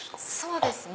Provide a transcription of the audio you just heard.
そうですね。